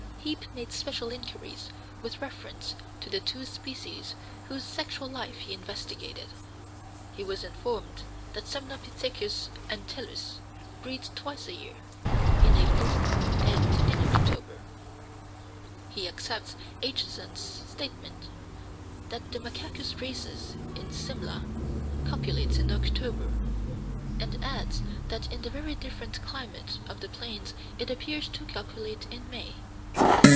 Heape made special inquiries with reference to the two species whose sexual life he investigated. He was informed that Semnopithecus entellus breeds twice a year, in April and in October. He accepts Aitcheson's statement that the Macacus rhesus, in Simla, copulates in October, and adds that in the very different climate of the plains it appears to copulate in May.